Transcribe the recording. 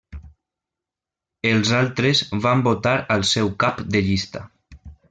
Els altres van votar al seu cap de llista.